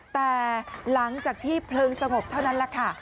แต่หลังจากที่เพลิงสงบเท่านั้นแหละค่ะ